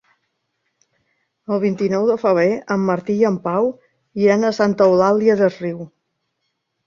El vint-i-nou de febrer en Martí i en Pau iran a Santa Eulària des Riu.